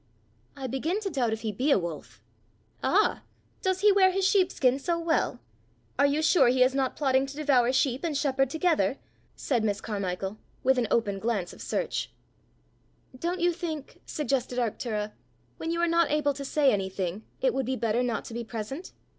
"I begin to doubt if he be a wolf." "Ah! does he wear his sheepskin so well? Are you sure he is not plotting to devour sheep and shepherd together?" said Miss Carmichael, with an open glance of search. "Don't you think," suggested Arctura, "when you are not able to say anything, it would be better not to be present?